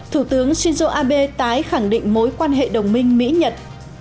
thủ tướng shinzo abe tái khẳng định mối quan hệ đồng minh mỹ nhật